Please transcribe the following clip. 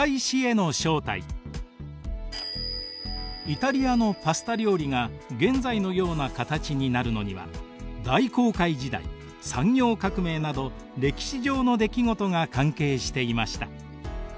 イタリアのパスタ料理が現在のような形になるのには大航海時代産業革命など歴史上の出来事が関係していました。